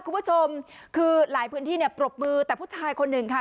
คุณผู้ชมคือหลายพื้นที่เนี่ยปรบมือแต่ผู้ชายคนหนึ่งค่ะ